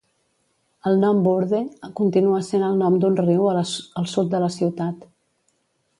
El nom Bourde continua essent el nom d'un riu al sud de la ciutat.